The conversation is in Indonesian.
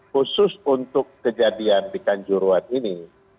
khusus untuk kejadian di kanjuruan ini